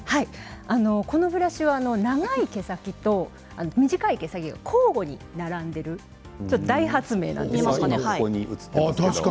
このブラシは長い毛先と短い毛先交互に並んでいる大発明なんですけど。